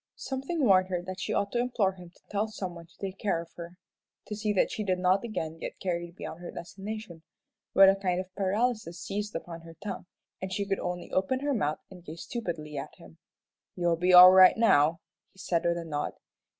Something warned her that she ought to implore him to tell some one to have a care of her to see that she did not again get carried beyond her destination, but a kind of paralysis seized upon her tongue, and she could only open her mouth and gape stupidly at him. "You'll be all right now," he said, with a nod.